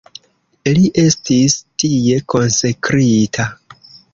Li estis tie konsekrita.